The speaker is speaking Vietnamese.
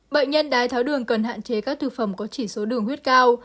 bệnh nhân đái tháo đường cần hạn chế các thực phẩm có chỉ số đường huyết cao